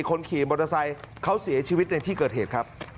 คนขี่มอเตอร์ไซค์เขาเสียชีวิตในที่เกิดเหตุครับ